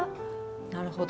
なるほど。